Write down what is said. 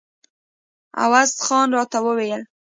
عوض خان راته ویل.